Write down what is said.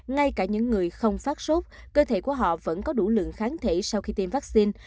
ngay cả những người không phát sốt cơ thể của họ vẫn có đủ lượng kháng thể sau khi tiêm vaccine